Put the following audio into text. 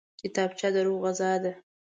کتابچه د روح غذا ده